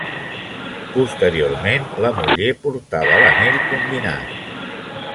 Posteriorment, la muller portava l'anell combinat.